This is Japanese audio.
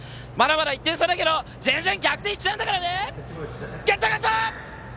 まだまだ１点差だけど全然、逆転しちゃうんだからね！